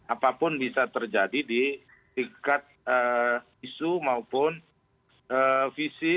apapun bisa terjadi di tingkat isu maupun visi